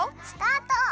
スタート！